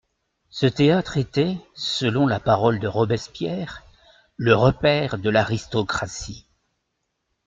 Ce théâtre était, selon la parole de Robespierre, «le repaire de l'aristocratie».